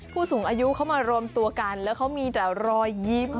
ผู้สูงอายุเขามารวมตัวกันแล้วเขามีแต่รอยยิ้ม